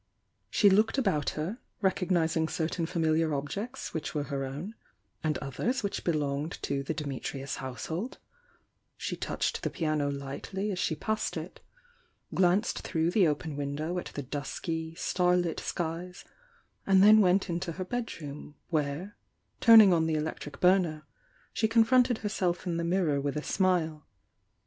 She looked about her, recognising certain familiar objects which were her own, and oQiers which belonged to the Dimitrius household, — she touched the piano lightly as she passed it, — glanced through the open window at the dusky, starSt skies, and then went into her bed room, where, turning on the electric burner, she confronted herself in 5ie mirror with a smile.